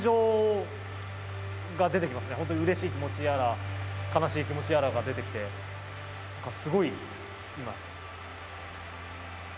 本当に嬉しい気持ちやら悲しい気持ちやらが出てきてなんかすごい今。